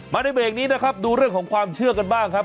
ในเบรกนี้นะครับดูเรื่องของความเชื่อกันบ้างครับ